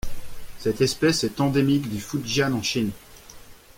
Cette espèce est endémique du Fujian en Chine.